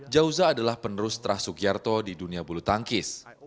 jauza adalah penerus terah sugiarto di dunia bulu tangkis